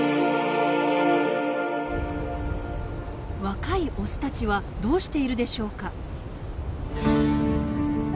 若いオスたちはどうしているでしょうか？